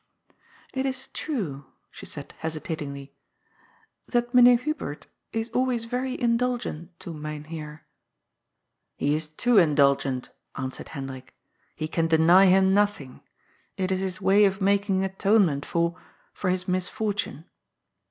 " It is true," she said hesitatingly, " that Meneer Hubert is always very indulgent 360 GOD'S FOOL. to Myn Heer.'^ ^ He is too indulgent," answered Hendrik. He can deny him nothing. It is his way of making atone ment for — for his misfortune."